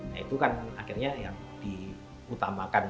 nah itu kan akhirnya yang diutamakan